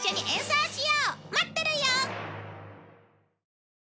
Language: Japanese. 待ってるよ！